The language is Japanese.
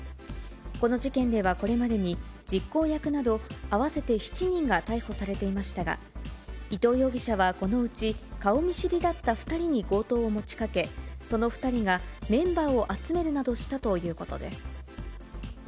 この事件ではこれまでに実行役など合わせて７人が逮捕されていましたが、伊藤容疑者はこのうち顔見知りだった２人に強盗を持ちかけ、その２人がメンバーを集めるなどしたということです。